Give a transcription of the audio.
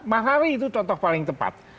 makari itu contoh paling tepat